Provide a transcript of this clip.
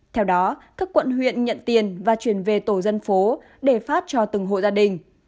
theo đó các quận huyện nhận tiền và chuyển về tổ dân phố để phát cho từng hộ gia đình